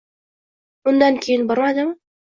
Undan keyin bormadimi